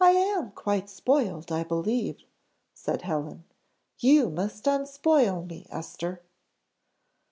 "I am quite spoiled, I believe," said Helen; "you must unspoil me, Esther."